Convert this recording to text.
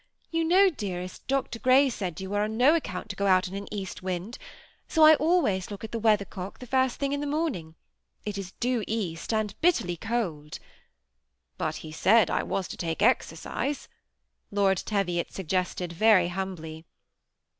You know, dearest. Dr. Grey said you were on no account to go out in an east wind ; so I always look at the weathercock the first thing in the morning. It is due east, and bitterly cold." " But he said I was to take exercise," Lord Teviot suggested, very humbly.